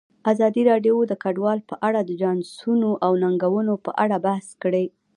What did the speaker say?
ازادي راډیو د کډوال په اړه د چانسونو او ننګونو په اړه بحث کړی.